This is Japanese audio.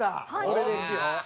これですよ。